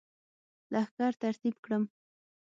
لښکر ترتیب کړم.